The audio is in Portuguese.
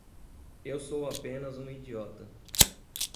Eu sou apenas um idiota.